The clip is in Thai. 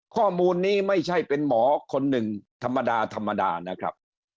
ข้อมูลนี้ไม่ใช่เป็นหมอคนหนึ่งธรรมดาธรรมดานะครับ